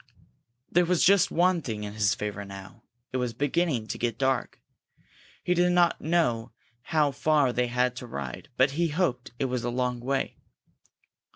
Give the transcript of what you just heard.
There was just one thing in his favor now. It was beginning to get dark. He did not know how far they had to ride, but he hoped it was a long way.